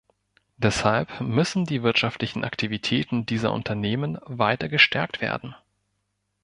Deshalb müssen die wirtschaftlichen Aktivitäten dieser Unternehmen weiter gestärkt werden.